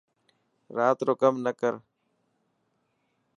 رات رو ڪم نه ڪر.